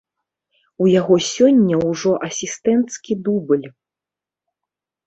У яго сёння ўжо асістэнцкі дубль.